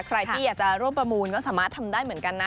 ใครที่อยากจะร่วมประมูลก็สามารถทำได้เหมือนกันนะ